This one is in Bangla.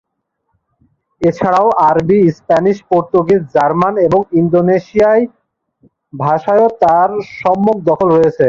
এছাড়াও আরবি, স্পেনীয়, পর্তুগিজ, জার্মান এবং ইন্দোনেশীয় ভাষায়ও তার সম্যক দখল ছিল।